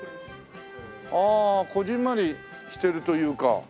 ああこぢんまりしてるというか。